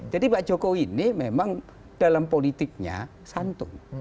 jadi pak jokowi ini memang dalam politiknya santun